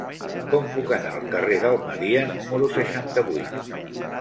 Com puc anar al carrer d'Almeria número seixanta-vuit?